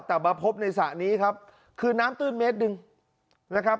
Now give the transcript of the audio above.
แต่มาพบในสระนี้ครับคือน้ำตื้นเมตรหนึ่งนะครับ